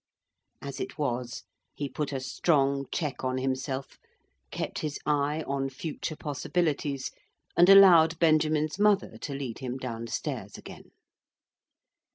As it was, he put a strong check on himself, kept his eye on future possibilities, and allowed Benjamin's mother to lead him down stairs again.